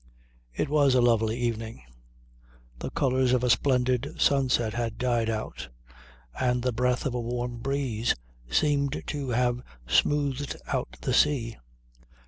It was a lovely evening; the colours of a splendid sunset had died out and the breath of a warm breeze seemed to have smoothed out the sea.